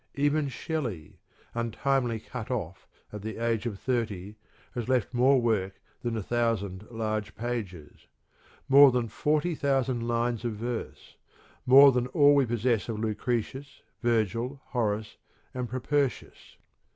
Even Shelley, untimely cut off at the age of thirty, has left more work than a thousand large pages more than forty thousand lines of verse, more than all we possess of Lucretius, Virgil, Horace, and Pro pertius.